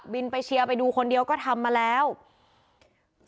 ไปเชียร์ไปดูคนเดียวก็ทำมาแล้ว